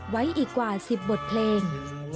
ไว้อีกกว่า๑๐บทเพลง